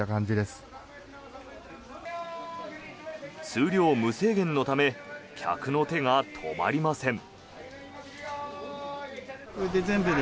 数量無制限のため客の手が止まりません。